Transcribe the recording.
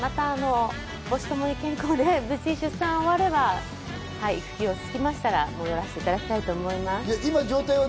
母子ともに健康で無事出産が終われば、落ち着きましたら戻らせていただきたいと思います。